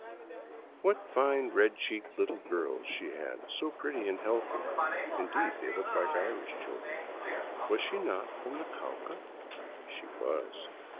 What fine, red cheeked little girls she had, so pretty and healthy. (Indeed, they looked like Irish children). Was she not from the Cauca? She was.